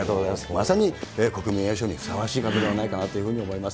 まさに国民栄誉賞にふさわしい方ではないかなというふうに思います。